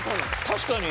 確かに。